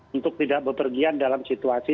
untuk tidak bepergian dalam situasi